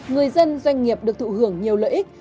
người dân doanh nghiệp được thụ hưởng nhiều lợi ích